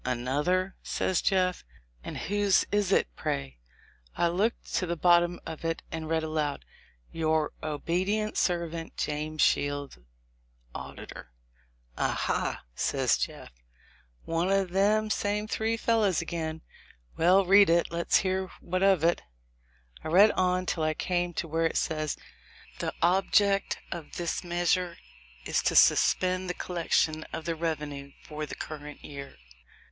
"Another?" says Jeff; "and whose egg is it, pray?" I looked to the bottom of it, and read aloud, "Your obedient servant, James Shields, Auditor." "Aha !" says Jeff, "one of them same three fel lows again. Well, read it, and let's hear what of it." I read on till I came to where it says, "The object of this measure is to suspend the collection of the revenue for the current year."